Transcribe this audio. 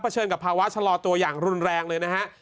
เชิญกับภาวะชะลอตัวอย่างรุนแรงเลยนะฮะ